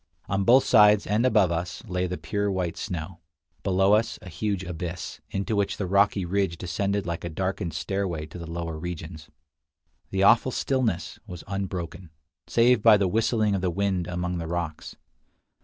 On both sides, and above us, lay the pure white snow; below us a huge abyss, into which the rocky ridge descended like a darkened stairway to the lower regions. The awful stillness was unbroken, save by the whistling of the wind among the rocks.